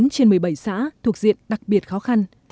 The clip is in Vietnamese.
một mươi trên một mươi bảy xã thuộc diện đặc biệt khó khăn